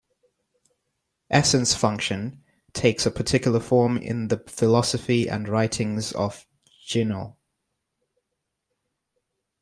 Essence-Function takes a particular form in the philosophy and writings of Jinul.